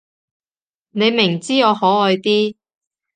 你明知我可愛啲